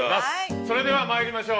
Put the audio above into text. それでは参りましょう。